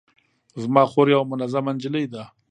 زما خور یوه منظمه نجلۍ ده